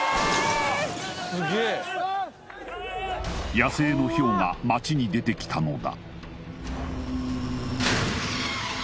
野生のヒョウが町に出てきたのだ